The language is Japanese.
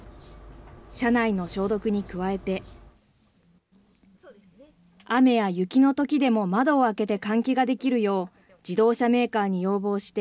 車内の消毒に加えて、雨や雪のときでも窓を開けて換気ができるよう、自動車メーカーに要望して、